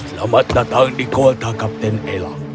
selamat datang di kulta kapten elam